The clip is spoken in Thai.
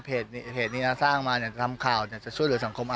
เพจนี้สร้างมาอยากจะทำข่าวอยากจะช่วยเหลือสังคม